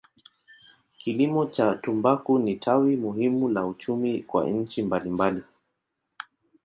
Kilimo cha tumbaku ni tawi muhimu la uchumi kwa nchi mbalimbali.